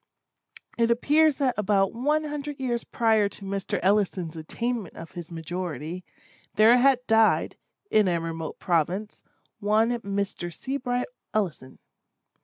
It appears that about one hundred years prior to Mr. Ellison's attainment of his majority, there had died, in a remote province, one Mr. Seabright Ellison.